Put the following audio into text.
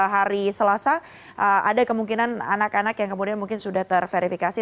hari selasa ada kemungkinan anak anak yang kemudian mungkin sudah terverifikasi